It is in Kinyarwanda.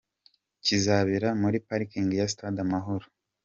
Kizabera muri ‘Parking ya Stade Amahoro’.